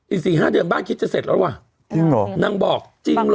อีกสี่ห้าเดือนบ้านคิดจะเสร็จแล้วว่ะจริงเหรอนางบอกจริงเหรอ